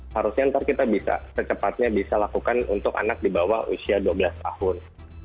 harusnya nanti kita bisa secepatnya bisa lakukan untuk anak di bawah usia dua belas tahun